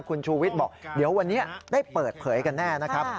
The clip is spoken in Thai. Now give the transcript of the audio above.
คุณชูวิทย์บอกเดี๋ยววันนี้ได้เปิดเผยกันแน่นะครับ